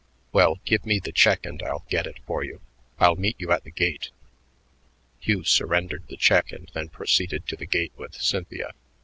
"Well, give me the check and I'll get it for you. I'll meet you at the gate." Hugh surrendered the check and then proceeded to the gate with Cynthia.